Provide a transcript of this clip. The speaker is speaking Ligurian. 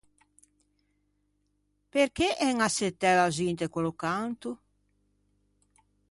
Perché en assettæ lazù inte quello canto?